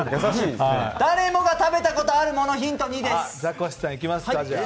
誰もが食べたことあるもの、ヒント２です。